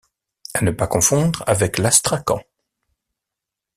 À ne pas confondre avec l'astrakan.